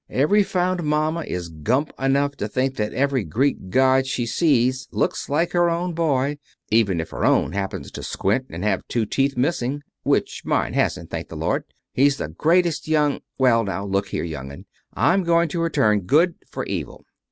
Every fond mama is gump enough to think that every Greek god she sees looks like her own boy, even if her own happens to squint and have two teeth missing which mine hasn't, thank the Lord! He's the greatest young Well, now, look here, young 'un. I'm going to return good for evil.